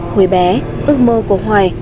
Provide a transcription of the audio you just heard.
hồi bé ước mơ của hoài